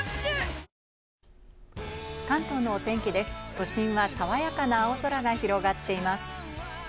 都心は爽やかな青空が広がっています。